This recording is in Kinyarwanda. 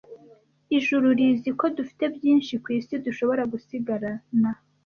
Ijuru rizi ko dufite byinshi kwisi dushobora gusigarana,